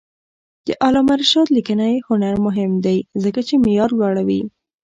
د علامه رشاد لیکنی هنر مهم دی ځکه چې معیار لوړوي.